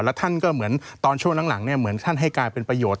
แล้วท่านก็เหมือนตอนช่วงหลังเหมือนท่านให้กลายเป็นประโยชน